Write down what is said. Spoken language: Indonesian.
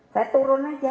saya turun aja